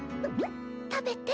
食べて。